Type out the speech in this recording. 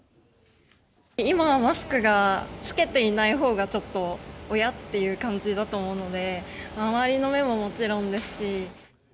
今、マスクが着けていないほうがちょっと、おやっ？っていう感じだと思うので、周りの目ももちろんですし。